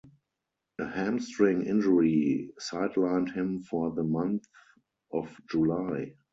A hamstring injury sidelined him for the month of July.